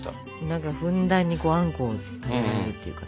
何かふんだんにあんこを食べられるっていうかさ。